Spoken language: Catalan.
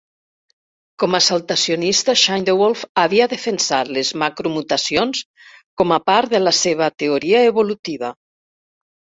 Com a saltacionista, Schindewolf havia defensat les macromutacions com a part de la seva teoria evolutiva.